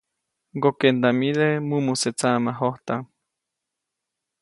Ŋgokeʼndaʼmide mumuse tsaʼmajojtaʼm.